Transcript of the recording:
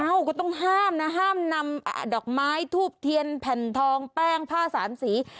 ก็ต้องห้ามนะห้ามนำดอกไม้ทูบเทียนแผ่นทองแป้งผ้าสามสี